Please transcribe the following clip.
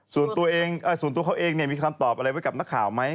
ส่วนตัวส่วนตัวเขาเองมีคำตอบอะไรไว้กับนักข่าวไหม